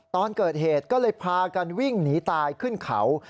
ตอนเกิดเหตุก็เลยพากันวิ่งหนีตายขึ้นเขา